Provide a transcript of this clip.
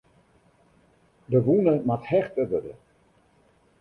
De wûne moat hechte wurde.